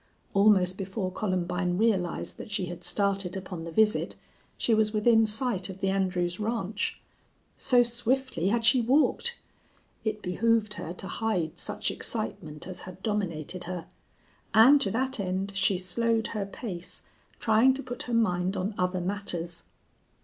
Almost before Columbine realized that she had started upon the visit she was within sight of the Andrews ranch. So swiftly had she walked! It behooved her to hide such excitement as had dominated her. And to that end she slowed her pace, trying to put her mind on other matters.